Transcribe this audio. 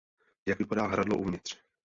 Jak vypadá hradlo uvnitř